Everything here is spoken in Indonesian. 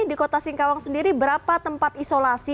di kota singkawang sendiri berapa tempat isolasi